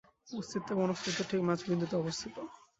অস্তিত্ব এবং অনস্তিত্বের ঠিক মাঝ বিন্দুতে অবস্থিত।